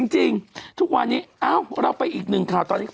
จริงทุกวันนี้เราไปอีกหนึ่งข่าวตอนนี้